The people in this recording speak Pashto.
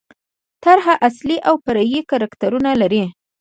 طرحه اصلي او فرعي کرکټرونه لري.